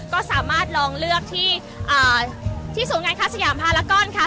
ก็สามารถลองเลือกที่อ่าที่ศูนย์การค่ะสยามภารกรค่ะ